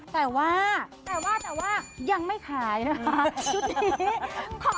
แต่ว่ายังไม่ขายนะคะ